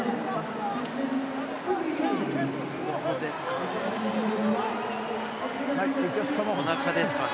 ここですかね？